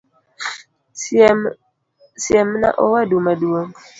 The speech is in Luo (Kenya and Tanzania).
Siem na owadu maduong'